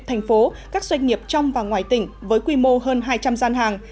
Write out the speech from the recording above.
thành phố các doanh nghiệp trong và ngoài tỉnh với quy mô hơn hai trăm linh gian hàng